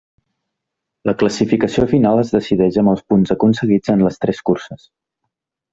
La classificació final es decideix amb els punts aconseguits en les tres curses.